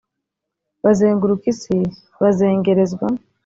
bazenguruka isi bazengerezwa